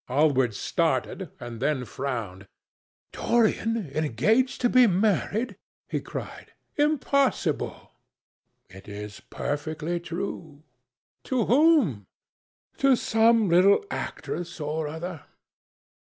Hallward started and then frowned. "Dorian engaged to be married!" he cried. "Impossible!" "It is perfectly true." "To whom?" "To some little actress or other."